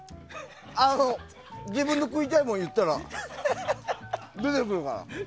自分の食いたいもん言ったら出てくるから。